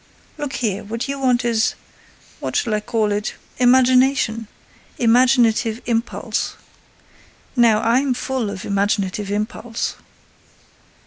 Look here, what you want is—what shall I call it?—imagination, imaginative impulse. Now, I'm full of imaginative impulse."